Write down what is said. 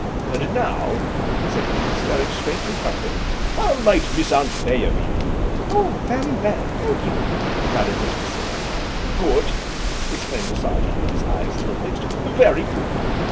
"And now," said he, staring straight in front of him, "how might Miss Anthea be?" "Oh, very well, thank you," nodded Miss Priscilla. "Good!" exclaimed the Sergeant, with his eyes still fixed, "very good!"